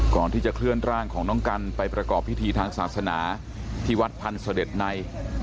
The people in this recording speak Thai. ก่อนที่จะเคลื่อนร่างของน้องกันไปประกอบพิธีทางศาสนาที่วัดพันธ์เสด็จใน